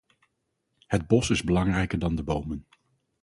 Het bos is belangrijker dan de bomen.